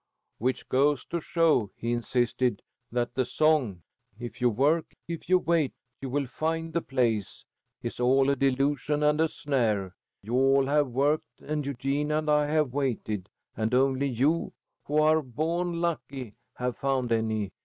"Which goes to show," he insisted, "that the song, 'If you work, if you wait, you will find the place,' is all a delusion and a snare. You all have worked, and Eugenia and I have waited, and only you, who are 'bawn lucky,' have found any.